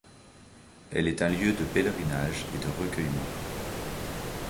Elle est un lieu de pèlerinage et de recueillement.